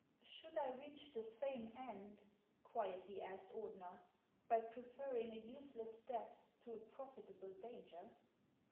" Should I reach the same end," quietly asked Ordener, " by preferring a useless death to a profitable danger